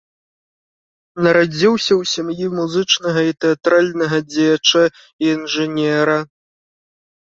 Нарадзіўся ў сям'і музычнага і тэатральнага дзеяча і інжынера.